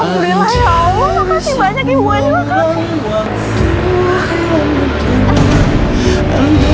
alhamdulillah ya allah makasih banyak ya ibu weni wakasih